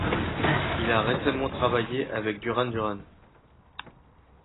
Il a récemment travaillé avec Duran Duran.